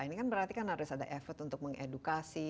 ini kan berarti kan harus ada effort untuk mengedukasi